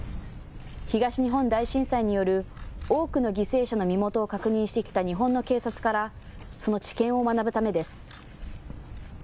東日本大震災による多くの犠牲者の身元を確認してきた日本の警察から、その知見を学ぶためです。